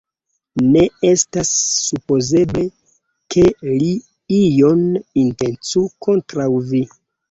Ne estas supozeble, ke li ion intencu kontraŭ vi!